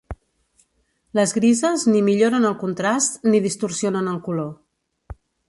Les grises ni milloren el contrast ni distorsionen el color.